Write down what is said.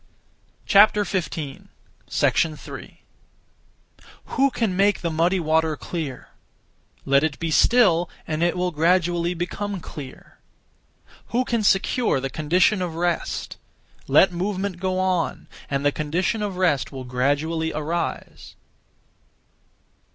3. Who can (make) the muddy water (clear)? Let it be still, and it will gradually become clear. Who can secure the condition of rest? Let movement go on, and the condition of rest will gradually arise.